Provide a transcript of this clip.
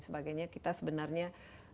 sebagainya kita sebenarnya